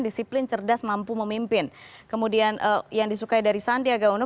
disiplin cerdas mampu memimpin kemudian yang disukai dari sandiaga uno